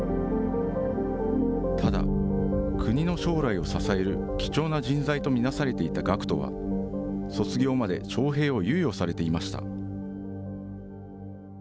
ただ、国の将来を支える貴重な人材と見なされていた学徒は、卒業まで徴兵を猶予されていました。